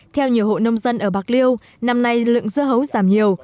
theo nhiều hộ nông dân ở bạc liêu năm nay lượng dưa hấu giảm nhiều